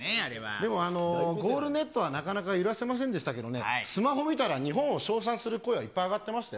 でもゴールネットはなかなか揺らせませんでしたけどね、スマホ見たら、日本を称賛する声はいっぱい上がってましたよ。